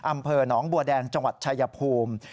อำเภอหนองบัวแดงจังหวัดชายภูมิ